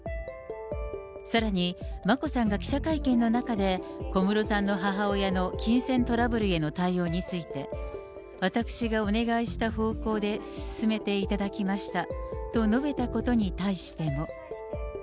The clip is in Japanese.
さらに、眞子さんが記者会見の中で、小室さんの母親の金銭トラブルへの対応について、私がお願いした方向で進めていただきましたと述べたことに対しても。